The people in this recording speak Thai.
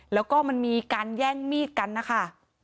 แล้วก็มันมีการแย่งมีดกันนะคะ